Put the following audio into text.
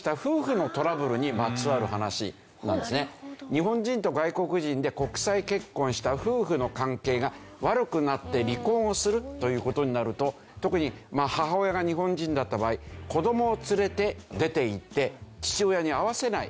日本人と外国人で国際結婚した夫婦の関係が悪くなって離婚をするという事になると特に母親が日本人だった場合子どもを連れて出ていって父親に会わせない。